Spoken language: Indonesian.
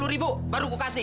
lima puluh ribu baru kukasih